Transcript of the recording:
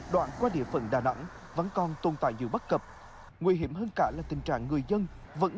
đoạn qua địa phận đà nẵng vẫn còn tồn tại nhiều bất cập nguy hiểm hơn cả là tình trạng người dân vẫn